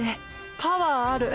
パワーある。